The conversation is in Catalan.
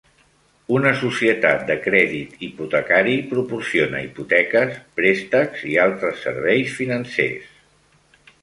Una societat de crèdit hipotecari proporciona hipoteques, préstecs i altres serveis financers